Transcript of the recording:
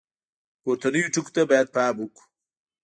پورتنیو ټکو ته باید پام وکړو.